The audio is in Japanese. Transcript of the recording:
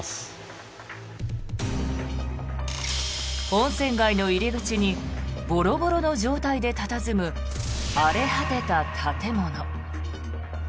温泉街の入り口にボロボロの状態で佇む荒れ果てた建物。